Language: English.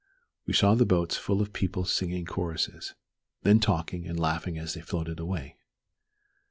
We saw the boats full of people singing choruses, then talking and laughing as they floated away.